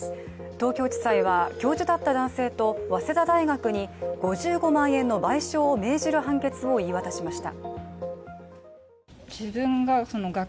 東京地裁は教授だった男性と早稲田大学に５５万円の賠償を命じる判決を言い渡しました。